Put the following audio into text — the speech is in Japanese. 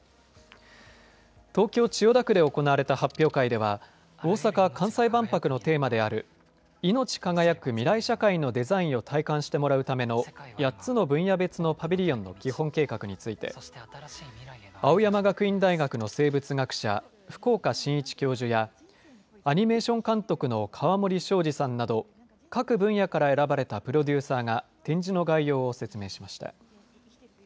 東京、千代田区で行われた発表会では大阪・関西万博のテーマであるいのち輝く未来社会のデザインを体感してもらうための８つの分野別のパビリオンの基本計画について青山学院大学の生物学者福岡伸一教授やアニメーション監督の河森正治さんなど各分野から選ばれたプロデューサーが展示の概要を説明しました。